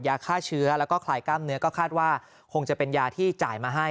ยาฆ่าเชื้อแล้วก็คลายกล้ามเนื้อก็คาดว่าคงจะเป็นยาที่จ่ายมาให้